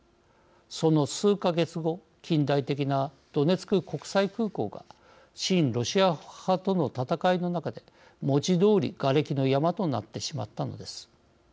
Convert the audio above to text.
その数か月後近代的なドネツク国際空港が親ロシア派との戦いの中で文字どおり、がれきの山となってしまったのです。